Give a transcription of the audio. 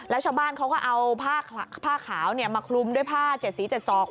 แล้วชาวบ้านเขาก็เอาผ้าขาวมาคลุมด้วยผ้า๗สี๗ศอก